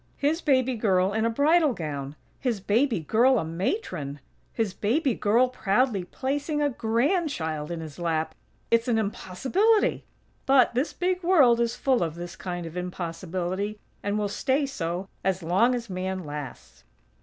His baby girl in a bridal gown! His baby girl a Matron! His baby girl proudly placing a grandchild in his lap!! It's an impossibility!! But this big world is full of this kind of impossibility, and will stay so as long as Man lasts.